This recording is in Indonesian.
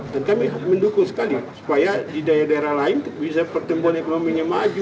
dan kami mendukung sekali supaya di daerah daerah lain bisa pertumbuhan ekonominya maju